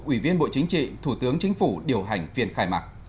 ủy viên bộ chính trị thủ tướng chính phủ điều hành phiên khai mạc